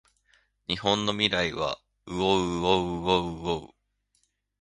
日本の未来はうぉううぉううぉううぉう